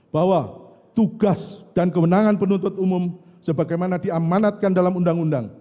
bahwa tugas dan kewenangan penuntut umum sebagaimana diamanatkan dalam undang undang